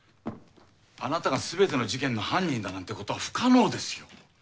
あなたがすべての事件の犯人だなんてことは不可能ですよ。